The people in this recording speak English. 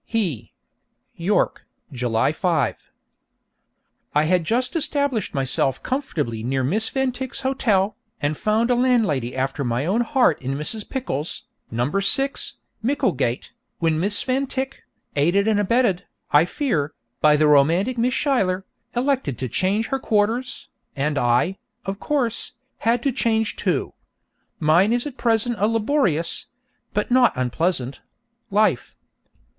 He York, July 5. I had just established myself comfortably near to Miss Van Tyck's hotel, and found a landlady after my own heart in Mrs. Pickles, No. 6, Micklegate, when Miss Van Tyck, aided and abetted, I fear, by the romantic Miss Schuyler, elected to change her quarters, and I, of course, had to change too. Mine is at present a laborious (but not unpleasant) life.